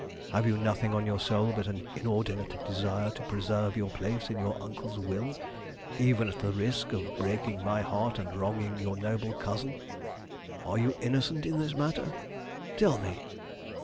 Have you nothing on your soul but an inordinate desire to preserve your place in your uncle's will, even at the risk of breaking my heart and wronging your noble cousin? Are you innocent in this matter? Tell me!"